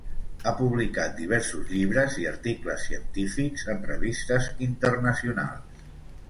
Ha publicat diversos llibres i articles científics en revistes internacionals.